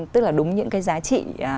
tức là đúng những cái giá trị